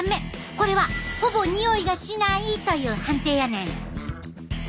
これは「ほぼにおいがしない」という判定やねん。